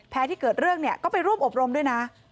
แพร่ที่เกิดเรื่องก็ไปรูปอบรมด้วยนะ